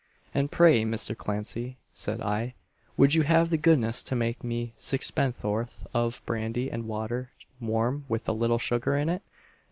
'And pray, Mr. Clancey,' said I, 'would you have the goodness to make me sixpenn'orth of brandy and water, warm, with a little sugar in it?'